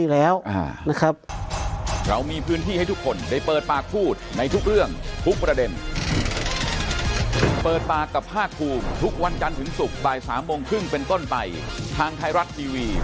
เตรียมสายอยู่แล้วนะครับ